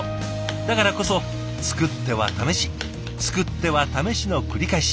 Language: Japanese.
だからこそ作っては試し作っては試しの繰り返し。